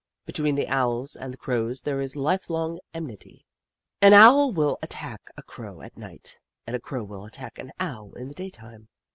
Between the Owls and the Crows there is lifelong enmity. An Owl will attack a Crow at nio; ht and a Crow will attack an Owl in the daytime.